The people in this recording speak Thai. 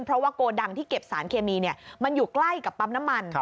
เพราะว่าโกดังที่เก็บสารเคมีมันอยู่ใกล้กับปั๊มน้ำมัน